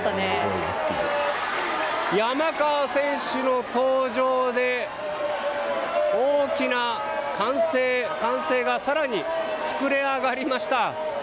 山川選手の登場で、大きな歓声が更に膨れ上がりました。